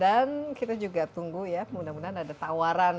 kita juga tunggu ya mudah mudahan ada tawaran